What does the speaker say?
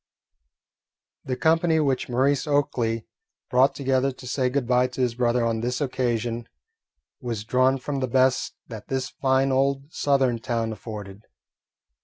The company which Maurice Oakley brought together to say good bye to his brother on this occasion was drawn from the best that this fine old Southern town afforded.